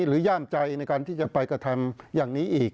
ย่ามใจในการที่จะไปกระทำอย่างนี้อีก